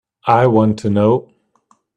I want to know.